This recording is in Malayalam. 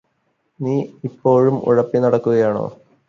നീ ഇപ്പോഴും ഉഴപ്പി നടക്കുകയാണോ?